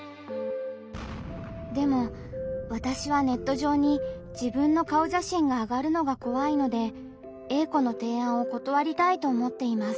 でもわたしはネット上に自分の顔写真があがるのが怖いのでＡ子の提案を断りたいと思っています。